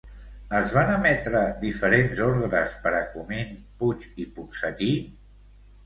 Es van emetre diferents ordres per a Comín, Puig i Ponsatí?